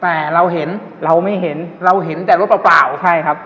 แต่เราเห็นเราไม่เห็นเราเห็นแต่รถเปล่าใช่ครับ